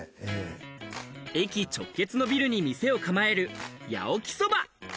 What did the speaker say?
駅直結のビルに店を構える八起そば。